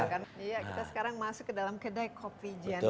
kita sekarang masuk ke dalam kedai kopi jena